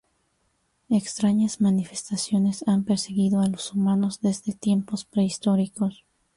Extrañas manifestaciones han perseguido a los humanos desde tiempos prehistóricos.